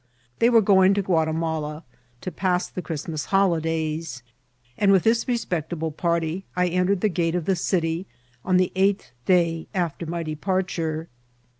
They were going to Guatiniala to pass the ChriBtmas holydays, and with this respectable party I entered the gate of the city, on the eighth day after my departure.